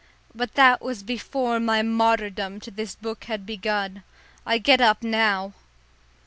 But that was before my martyrdom to this book had begun. I get up now!